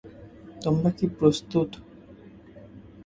তোমরা কি প্রস্তুত?